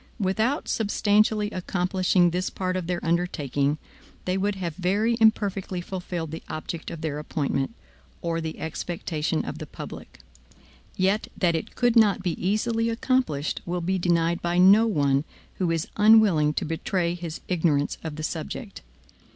Without substantially accomplishing this part of their undertaking, they would have very imperfectly fulfilled the object of their appointment, or the expectation of the public; yet that it could not be easily accomplished, will be denied by no one who is unwilling to betray his ignorance of the subject.